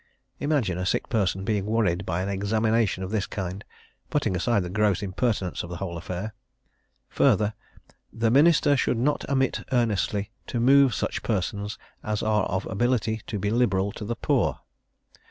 Imagine a sick person being worried by an examination of this kind, putting aside the gross impertinence of the whole affair. Further, "the minister should not omit earnestly to move such persons as are of ability to be liberal to the poor."